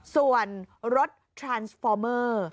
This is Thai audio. ส่วนรถทรานสฟอร์เมอร์